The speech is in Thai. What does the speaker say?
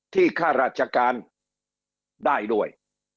ที่ค่ารัชการได้ด้วย